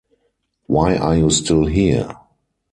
Why are you still here?